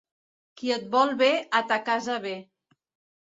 Qui et vol bé a ta casa ve.